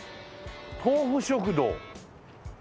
「豆富食堂」